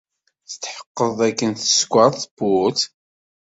Tetḥeqqed dakken teskeṛ tewwurt?